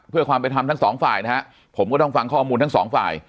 เพื่อความเป็นธรรมทั้งสองฝ่ายนะฮะผมก็ต้องฟังข้อมูลทั้งสองฝ่าย